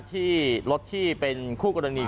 ที่รถที่เป็นคู่กรณี